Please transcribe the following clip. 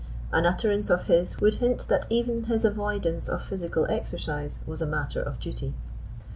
An utterance of his would hint that even his avoidance of physical exercise was a matter of duty.